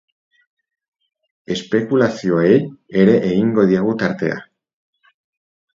Espekulazioei ere egingo diegu tartea.